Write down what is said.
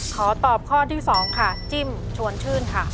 ขอตอบข้อที่๒ค่ะจิ้มชวนชื่นค่ะ